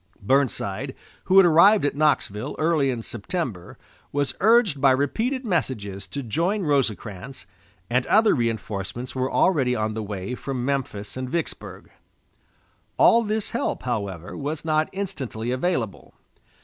Burnside, who had arrived at Knoxville early in September, was urged by repeated messages to join Rosecrans, and other reinforcements were already on the way from Memphis and Vicksburg. All this help, however, was not instantly available.